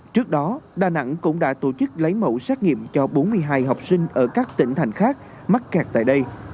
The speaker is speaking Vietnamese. trước đó đà nẵng cũng đã tổ chức lấy mẫu xét nghiệm cho bốn mươi hai học sinh ở các tỉnh thành khác mắc kẹt tại đây